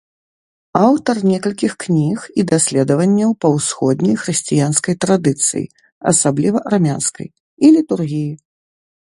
Аўтар некалькіх кніг і даследаванняў па ўсходняй хрысціянскай традыцыі, асабліва армянскай, і літургіі.